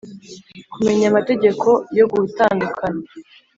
Kumenya amategeko yo gutandukana